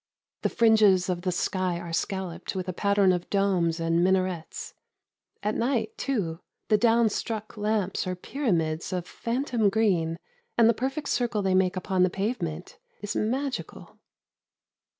The fringes of the sky are scalloped with a pattern of domes and minarets. At night, too, the down struck lamps are pyramids of phantom green and the perfect circle they make upon the pavement is magical.